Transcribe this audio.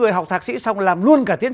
người học thạc sĩ xong làm luôn cả tiến